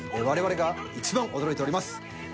我々がいちばん驚いております。